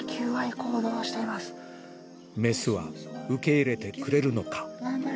メスは受け入れてくれるのか？